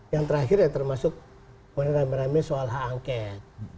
yang terakhir yang termasuk meneram meramnya soal hak angket